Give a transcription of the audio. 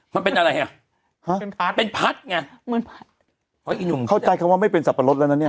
มันเป็นอะไรอ่ะฮะเป็นพัดเป็นพัดไงเหมือนพัดอ๋ออีหนุ่มเข้าใจคำว่าไม่เป็นสับปะรดแล้วนะเนี่ย